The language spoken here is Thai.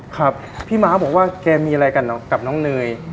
ครับพี่ม้าบอกว่าแกมีอะไรกันกับน้องเนย